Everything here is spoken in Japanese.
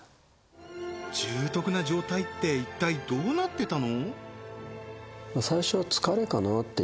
重篤な状態っていったいどうなってたの？